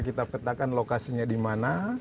kita petakan lokasinya dimana